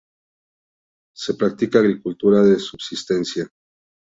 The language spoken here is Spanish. Se practica agricultura de subsistencia.